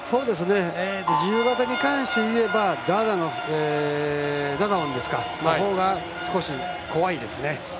自由形に関して言えばダダオンのほうが少し怖いですね。